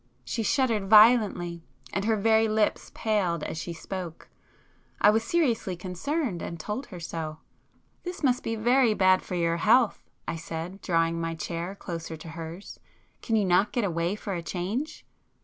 She shuddered violently, and her very lips paled as she spoke. I was seriously concerned, and told her so. "This must be very bad for your health,"—I said, drawing my chair closer to hers—"Can you not get away for a change?"